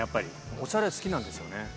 おしゃれ好きなんですよね？